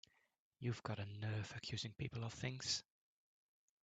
You've got a nerve accusing people of things!